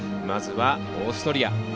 まずは、オーストリア。